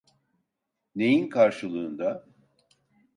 Neyin karşılığında?